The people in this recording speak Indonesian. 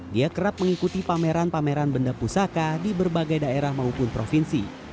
dia kerap mengikuti pameran pameran benda pusaka di berbagai daerah maupun provinsi